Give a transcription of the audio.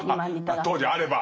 当時あれば。